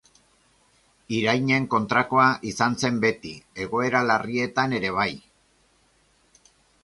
Irainen kontrakoa izan zen beti, egoera larrietan ere bai.